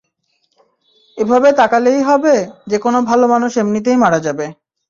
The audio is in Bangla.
এভাবে তাকালেই হবে, যেকোন ভালো মানুষ এমনিতেই মারা যাবে।